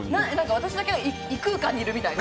私だけ異空間にいるみたい。